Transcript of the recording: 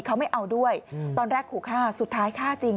เขาไม่เอาด้วยตอนแรกขู่ฆ่าสุดท้ายฆ่าจริง